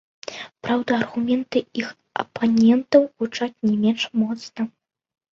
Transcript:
Праўда, аргументы іх апанентаў гучаць не менш моцна.